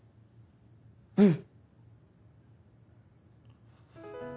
うん。